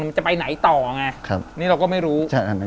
จะไปไหนต่อไงนี่เราก็ไม่รู้